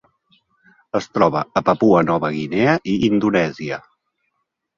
Es troba a Papua Nova Guinea i Indonèsia.